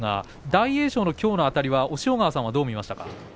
大栄翔のきょうのあたりは押尾川さん、どう見ました？